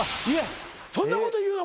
そんなこと言うの？